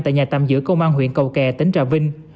tại nhà tạm giữ công an huyện cầu kè tỉnh trà vinh